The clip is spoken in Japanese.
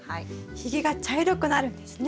ひげが茶色くなるんですね。